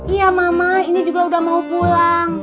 iya mama ini juga udah mau pulang